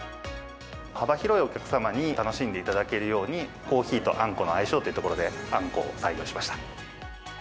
幅広いお客様に楽しんでいただけるように、コーヒーとあんこの相性というところで、あんこを採用しました。